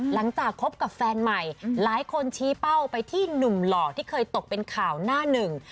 หลังจากคบกับแฟนใหม่หลายคนชี้เป้าไปที่หนุ่มหล่อที่เคยตกเป็นข่าวหน้าหนึ่ง